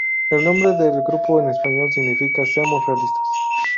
El nombre del grupo en español significa: "Seamos realistas...